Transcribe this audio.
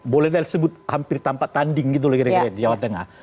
boleh disebut hampir tanpa tanding gitu di jawa tengah